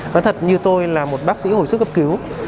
nói thật như tôi là một bác sĩ hồi sức cấp cứu